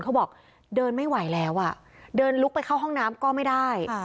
เขาบอกเดินไม่ไหวแล้วอ่ะเดินลุกไปเข้าห้องน้ำก็ไม่ได้